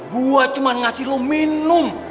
gua cuman ngasih lu minum